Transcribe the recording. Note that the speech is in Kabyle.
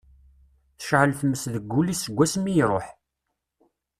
Tecɛel tmes deg wul-is seg wass mi iṛuḥ.